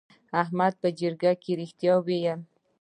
احمد په جرګه کې رښتیا وویل.